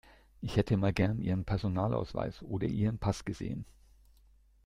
Ich hätte mal gern Ihren Personalausweis oder Ihren Pass gesehen.